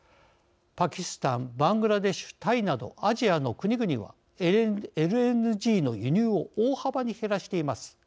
パキスタン、バングラデシュタイなどアジアの国々はＬＮＧの輸入を大幅に減らしています。